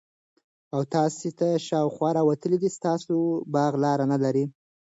او تاسي ته دشاخوا راوتلي ده ستاسو باغ لار نلري